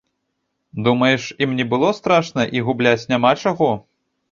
Думаеш, ім не было страшна і губляць няма чаго?